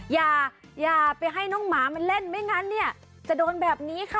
อย่าอย่าไปให้น้องหมามันเล่นไม่งั้นเนี่ยจะโดนแบบนี้ค่ะ